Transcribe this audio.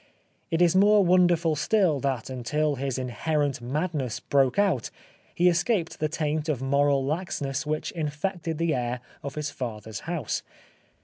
It is more wonderful still that until his inherent madness broke out he escaped the taint of moral laxness which infected the air of his father's house.